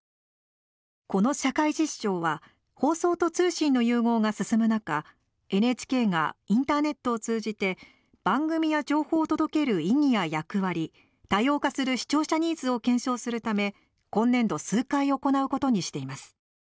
この社会実証は放送と通信の融合が進む中ＮＨＫがインターネットを通じて番組や情報を届ける意義や役割多様化する視聴者ニーズを検証するため、今年度数回行うことにしています。